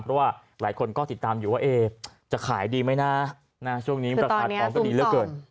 เพราะว่าหลายคนก็ติดตามอยู่ว่าจะขายดีไหมนะช่วงนี้ราคาทองก็ดีเหลือเกิน